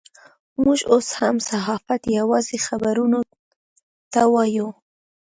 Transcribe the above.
موږ اوس هم صحافت یوازې خبرونو ته وایو.